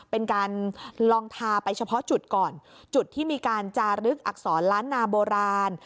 เป็นการลองทาไปเฉพาะจุดก่อนจุดที่มีการจารึกอักษรล้านนาโบราณ